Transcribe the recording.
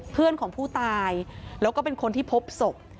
เพื่อนของผู้ตายแล้วก็เป็นคนที่พบศพ